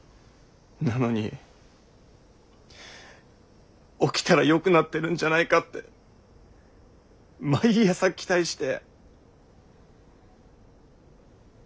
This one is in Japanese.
なのに起きたら良くなってるんじゃないかって毎朝期待して。